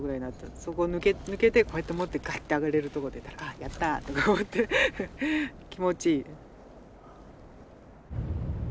そこを抜けてこうやって持ってガッて上がれるとこ出たら「ヤッター！」と思って気持ちいい。